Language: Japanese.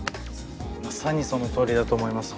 まさにそのとおりだと思います。